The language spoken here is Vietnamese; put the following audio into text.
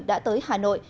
đã tới hà nội